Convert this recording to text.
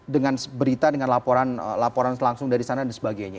dengan berita dengan laporan langsung dari sana dan sebagainya